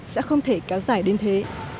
sẽ không thể kéo dài đến thế